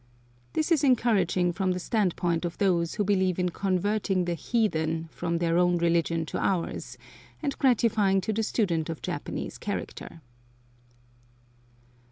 This is encouraging from the stand point of those who believe in converting "the heathen" from their own religion to ours, and gratifying to the student of Japanese character.